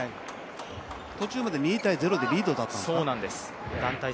途中まで２−０でリードだったのかな。